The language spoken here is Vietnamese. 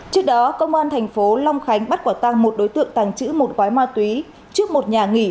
trước đó công an thành phố long khánh bắt quả tăng một đối tượng tàng trữ một gói ma túy trước một nhà nghỉ